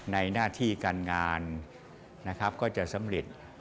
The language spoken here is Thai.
หน้าที่การงานนะครับก็จะสำเร็จ